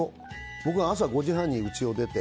僕、朝５時半にうちを出て。